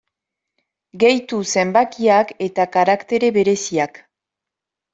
Gehitu zenbakiak eta karaktere bereziak.